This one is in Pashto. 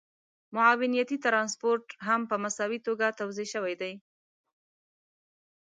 معاونيتي ټرانسپورټ هم په مساوي توګه توزیع شوی دی